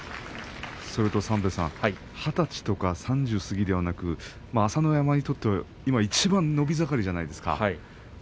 それと二十歳とか３０過ぎではなく朝乃山にとっては今いちばん伸び盛りじゃないですか